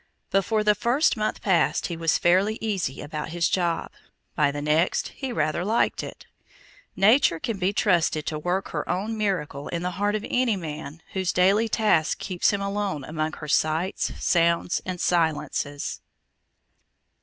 Before the first month passed, he was fairly easy about his job; by the next he rather liked it. Nature can be trusted to work her own miracle in the heart of any man whose daily task keeps him alone among her sights, sounds, and silences.